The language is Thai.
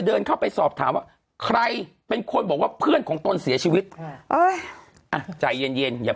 เดินเข้าไปสอบถามว่าใครเป็นคนบอกว่าเพื่อนของตนเสียชีวิตเอ้ยอ่ะใจเย็นเย็นอย่า